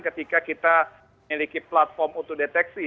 ketika kita miliki platform untuk deteksi